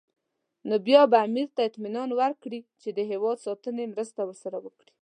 نو بیا به امیر ته اطمینان ورکړي چې د هېواد ساتنې مرسته ورسره کوي.